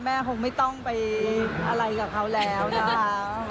คงไม่ต้องไปอะไรกับเขาแล้วนะคะ